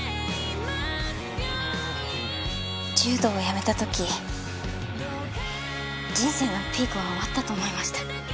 柔道をやめた時人生のピークは終わったと思いました。